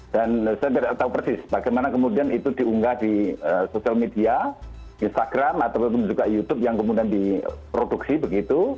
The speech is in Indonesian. dan saya tidak tahu persis bagaimana kemudian itu diunggah di sosial media instagram ataupun juga youtube yang kemudian diproduksi begitu